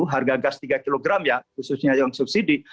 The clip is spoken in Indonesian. harga gas tiga kg ya khususnya yang subsidi